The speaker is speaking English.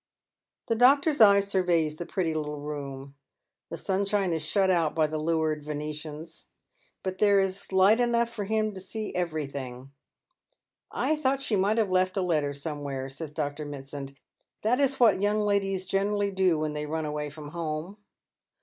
The doctor's eye surveys the pretty little room. The sunshine is shut out by the lowered Venetians, but there is Hght enough for him to see everji; hing. " I thought she miglit have left a letter somewhere," says Dr. Pilitsand. " That is what young ladies generally do when thty run awaj' fi'om home."